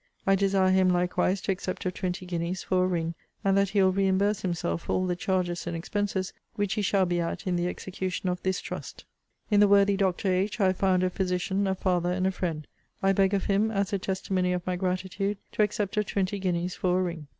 I desire him likewise to accept of twenty guineas for a ring: and that he will reimburse himself for all the charges and expenses which he shall be at in the execution of this trust. In the worthy Dr. H. I have found a physician, a father, and a friend. I beg of him, as a testimony of my gratitude, to accept of twenty guineas for a ring.